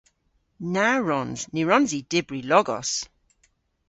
Na wrons! Ny wrons i dybri logos.